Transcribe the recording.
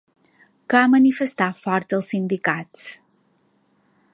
Què ha manifestat Ford als sindicats?